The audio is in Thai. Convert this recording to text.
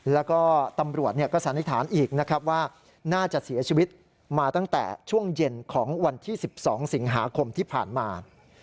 แล้วก็ตำรวจก็สันนิษฐานอีกนะครับว่าน่าจะเสียชีวิตมาตั้งแต่ช่วงเย็นของวันที่๑๒สิงหาคมที่ผ่านมา